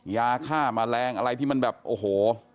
ยาฆ่าแมลงอะไรที่มันแบบโอ้โห